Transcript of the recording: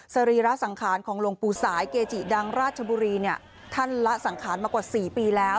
สรีระสังขารของหลวงปู่สายเกจิดังราชบุรีเนี่ยท่านละสังขารมากว่า๔ปีแล้ว